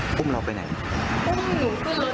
เขาก็ฉุดเราให้เราขึ้นนะคะถ้าเรามีที่เขาก็เลยอุ้มเอา